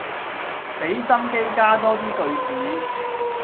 俾心機加多啲句子